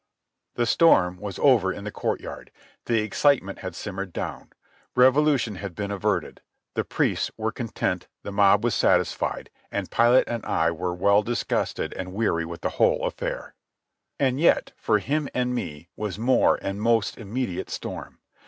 The storm was over in the courtyard. The excitement had simmered down. Revolution had been averted. The priests were content, the mob was satisfied, and Pilate and I were well disgusted and weary with the whole affair. And yet for him and me was more and most immediate storm.